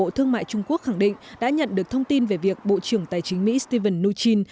bộ thương mại trung quốc khẳng định đã nhận được thông tin về việc bộ trưởng tài chính mỹ stephen mnuchin